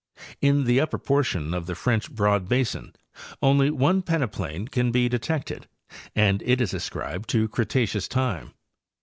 In the upper portion of the French Broad basin only one peneplain can be detected and it is ascribed to Cre taceous time.